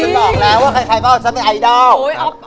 ฉันบอกแล้วว่าใครก็รู้ฉันเป็นไอดอล